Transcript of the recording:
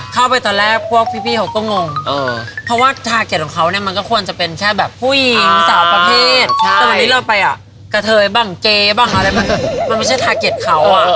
ที่มิกเเตอร์เเตอร์จะเป็นแบบว่า